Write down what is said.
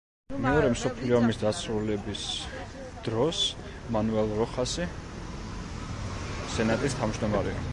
მეორე მსოფლიო ომის დასრულების დროს მანუელ როხასი სენატის თავმჯდომარეა.